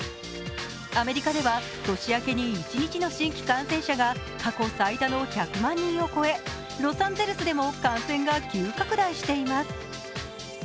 アメリカでは年明けに一日の新規感染者が過去最多の１００万人を超え、ロサンゼルスでも感染が急拡大しています。